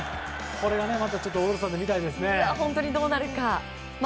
これがまたちょっとオールスターで見たいですね。